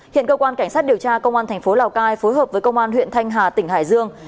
hiện cơ quan cảnh sát điều tra công an thành phố lào cai phối hợp với công an huyện thanh hà tỉnh hải dương